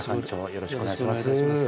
よろしくお願いします。